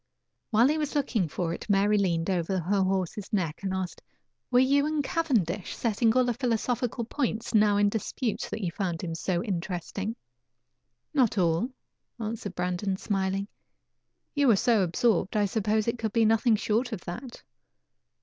While he was looking for it Mary leaned over her horse's neck and asked: "Were you and Cavendish settling all the philosophical points now in dispute, that you found him so interesting?" "Not all," answered Brandon, smiling. "You were so absorbed, I supposed it could be nothing short of that."